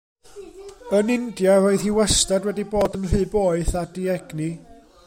Yn India roedd hi wastad wedi bod yn rhy boeth a diegni.